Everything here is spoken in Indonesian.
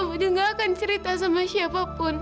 udah gak akan cerita sama siapapun